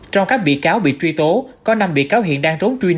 trong các bị cáo bị truy tố có năm bị cáo hiện đang rốn truyền